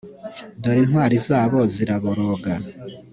dore intwari zabo ziraboroga